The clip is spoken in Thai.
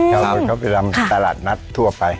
เช่ารถเขาไปทำตลาดนัดทั่วไป